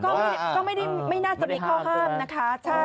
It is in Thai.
ก็ไม่น่าจะมีข้อห้ามนะคะ